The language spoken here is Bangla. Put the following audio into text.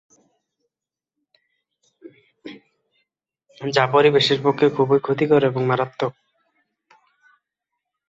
যা পরিবেশের পক্ষে খুবই ক্ষতিকর এবং মারাত্মক।